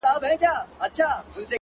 پریزاده! د فرات په ژۍ ولاړ یم